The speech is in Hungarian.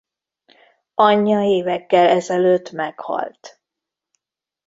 Anyja évekkel ezelőtt meghalt.